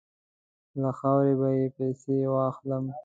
له خاورې به یې پسي واخلم.